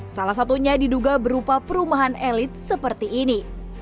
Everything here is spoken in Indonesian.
salah satunya diduga berupa perumahan elit seperti ini